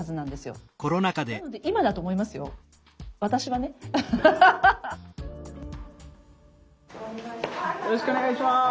よろしくお願いします。